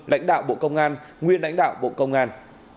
lãnh đạo bộ công an nguyên lãnh đạo bộ công an